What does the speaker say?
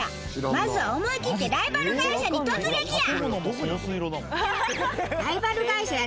まずは思い切ってライバル会社に突撃や！